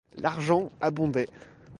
L'argent abondait.